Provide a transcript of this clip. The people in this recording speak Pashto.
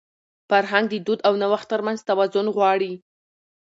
فرهنګ د دود او نوښت تر منځ توازن غواړي.